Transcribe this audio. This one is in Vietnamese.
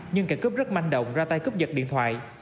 nhưng kẻ cướp rất manh động ra tay cướp giật điện thoại